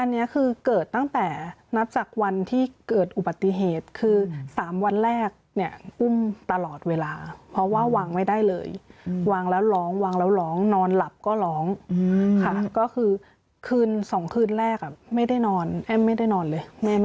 อันนี้คือเกิดตั้งแต่นับจากวันที่เกิดอุบัติเหตุคือ๓วันแรกเนี่ยอุ้มตลอดเวลาเพราะว่าวางไม่ได้เลยวางแล้วร้องวางแล้วร้องนอนหลับก็ร้องค่ะก็คือคืน๒คืนแรกไม่ได้นอนไม่ได้นอนเลย